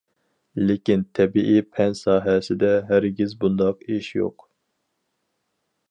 لېكىن تەبىئىي پەن ساھەسىدە، ھەرگىز بۇنداق ئىش يوق.